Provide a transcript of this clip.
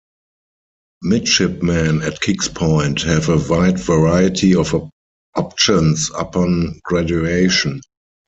Midshipmen at Kings Point have a wide variety of options upon graduation.